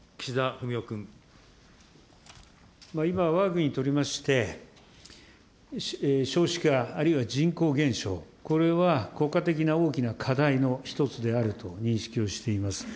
今、わが国にとりまして、少子化、あるいは人口減少、これは国家的な大きな課題の一つであると認識をしています。